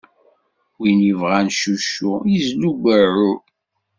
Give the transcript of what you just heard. Win ibɣan cuccu, izlu beɛɛu!